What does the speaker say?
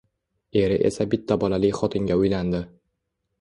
Eri esa bitta bolali xotinga uylandi